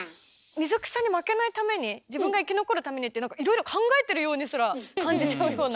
水草に負けないために自分が生き残るためにっていろいろ考えてるようにすら感じちゃうような。